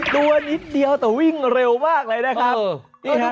ตัวนิดเดียวแต่วิ่งเร็วมากเลยนะครับ